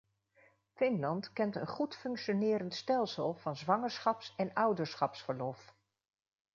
Finland kent een goed functionerend stelsel van zwangerschaps- en ouderschapsverlof.